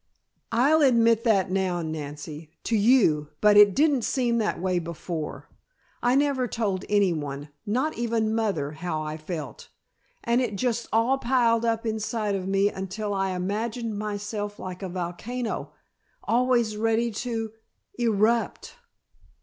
"I'll admit that now, Nancy, to you, but it didn't seem that way before. I never told anyone, not even mother, how I felt, and it just all piled up inside of me until I imagined myself like a volcano, always ready to erupt."